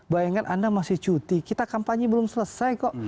bayangkan anda masih cuti kita kampanye belum selesai kok